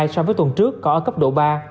so với tuần trước còn ở cấp độ ba